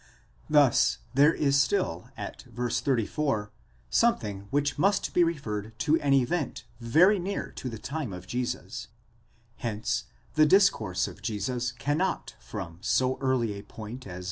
Thus there is still at v. 34 something which must be referred to an event very near to the time of Jesus: hence the discourse of Jesus cannot from so early a point as v.